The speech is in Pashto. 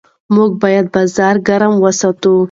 موږ باید بازار ګرم وساتو.